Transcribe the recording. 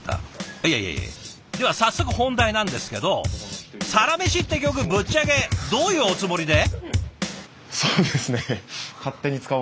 いやいやいやいやでは早速本題なんですけど「サラメシ」って曲ぶっちゃけどういうおつもりで？